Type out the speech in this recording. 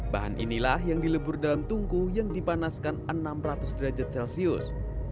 bahan inilah yang dilebur dalam tungku yang dipanaskan enam ratus derajat celcius